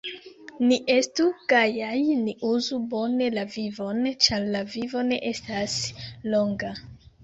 Ni estu gajaj, ni uzu bone la vivon, ĉar la vivo ne estas longa.